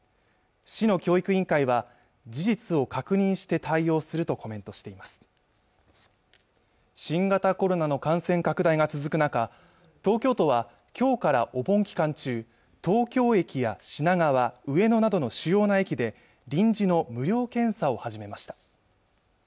市の教育委員会は事実を確認して対応するとコメントしています新型コロナの感染拡大が続く中東京都は今日からお盆期間中東京駅や品川、上野などの主要な駅で臨時の無料検査を始めました